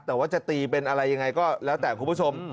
แต่ว่าจะตีเป็นอะไรยังไงก็แล้วแต่คุณผู้ชม